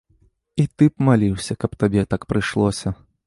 І ты б маліўся, каб табе так прыйшлося.